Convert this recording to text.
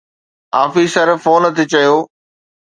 officer phone تي چيو